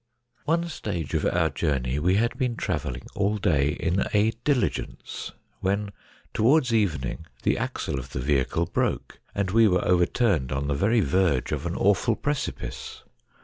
One stage of our journey we had been travelling all day in a ' diligence,' when towards evening the axle of the vehicle broke, and we were overturned on the very verge of an awful precipice.